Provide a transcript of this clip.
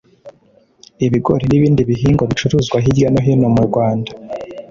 ibigori n’ibindi bihingwa bicuruzwa hirya no hino mu Rwanda